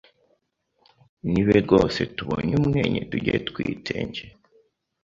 Nibe rwose tubonye umwenye tujye twitenge,